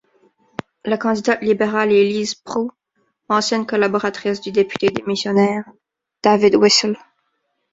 La candidate libérale est Lise Proulx, ancienne collaboratrice du député démissionnaire, David Whissell.